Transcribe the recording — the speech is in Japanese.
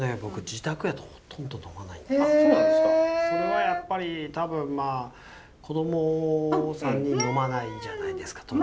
それはやっぱり多分まあ子ども３人呑まないじゃないですか当然。